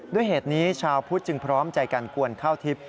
ด้วยเหตุนี้ชาวพุทธจึงพร้อมใจกันกวนข้าวทิพย์